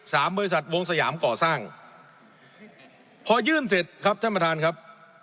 บริษัทวงสยามก่อสร้างพอยื่นเสร็จครับท่านประธานครับ